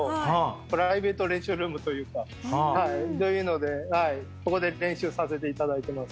プライベート練習ルームというかというのでここで練習させていただいてます。